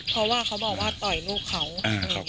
เขาว่าเขาบอกว่าต่อยลูกเขา